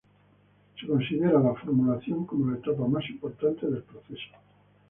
Se considera la formulación como la etapa más importante del proceso.